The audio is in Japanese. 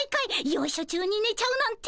よいしょ中に寝ちゃうなんて。